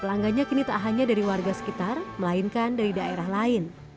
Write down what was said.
pelanggannya kini tak hanya dari warga sekitar melainkan dari daerah lain